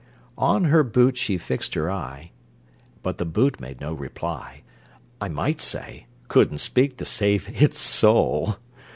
On her boot she fixed her eye, But the boot made no reply (I might say: "Couldn't speak to save its sole!")